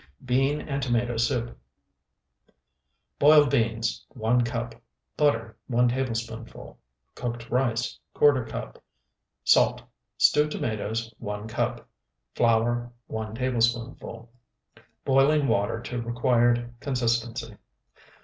BEAN AND TOMATO SOUP Boiled beans, 1 cup. Butter, 1 tablespoonful. Cooked rice, ¼ cup. Salt. Stewed tomatoes, 1 cup. Flour, 1 tablespoonful. Boiling water to required consistency.